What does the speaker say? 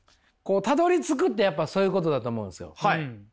たどりつくってやっぱそういうことだと思うんですよ。